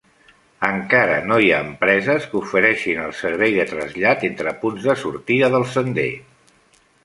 Encara no hi ha empreses que ofereixin el servei de trasllat entre punts de sortida del sender.